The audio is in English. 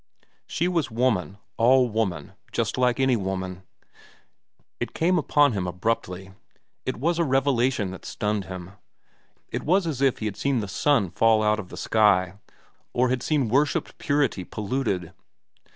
She was woman, all woman, just like any woman. It came upon him abruptly. It was a revelation that stunned him. It was as if he had seen the sun fall out of the sky, or had seen worshipped purity polluted.